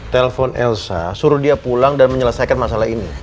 telepon elsa suruh dia pulang dan menyelesaikan masalah ini